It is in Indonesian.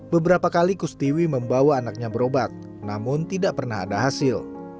beberapa kali kustiwi membawa anaknya berobat namun tidak pernah ada hasil